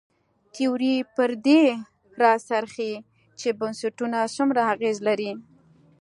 تیوري پر دې راڅرخي چې بنسټونه څومره اغېز لري.